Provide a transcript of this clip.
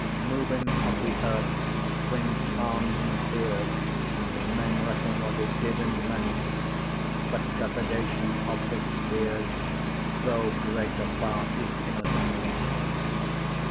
Moving of th'earth brings harmes and feares, Men reckon what it did and meant, 10 But trepidation of the spheares, Though greater farre, is innocent.